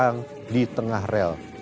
lintang di tengah rel